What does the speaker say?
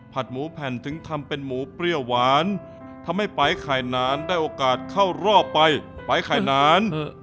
หมูแผ่นถึงทำเป็นหมูเปรี้ยวหวานทำให้ไปไข่นานได้โอกาสเข้ารอบไปไปไข่นาน